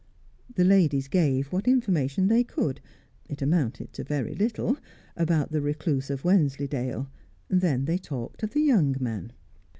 The ladies gave what information they could (it amounted to very little) about the recluse of Wensleydale; then they talked of the young man.